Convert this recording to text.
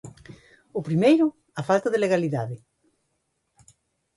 O primeiro, a falta de legalidade.